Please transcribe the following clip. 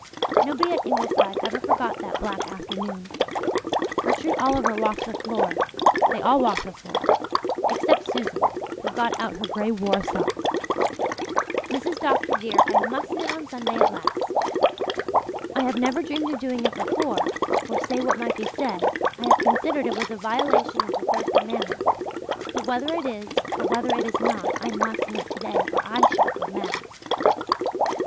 Nobody at Ingleside ever forgot that black afternoon. Gertrude Oliver walked the floor they all walked the floor; except Susan, who got out her grey war sock. "Mrs. Dr. dear, I must knit on Sunday at last. I have never dreamed of doing it before for, say what might be said, I have considered it was a violation of the third commandment. But whether it is or whether it is not I must knit today or I shall go mad."